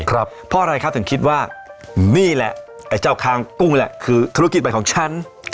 เพราะอะไรครับถึงคิดว่านี่แหละไอ้เจ้าค้างกุ้งแหละคือธุรกิจใหม่ของฉัน